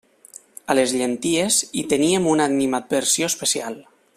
A les llenties, hi teníem una animadversió especial.